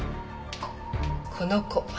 この子。